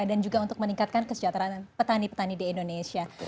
dan juga untuk meningkatkan kesejahteraan petani petani di indonesia